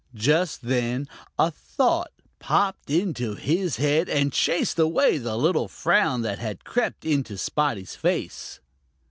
Just then a thought popped into his head and chased away the little frown that had crept into Spotty's face.